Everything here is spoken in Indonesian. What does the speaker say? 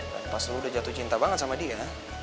dan pas lo udah jatuh cinta banget sama dia